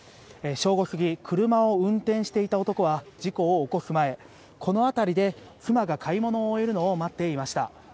正午過ぎ、車を運転していた男は、事故を起こす前、この辺りで、妻が買い物を終えるのを待っていました。